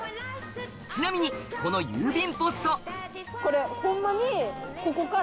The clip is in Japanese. ちなみにこの郵便ポストここから？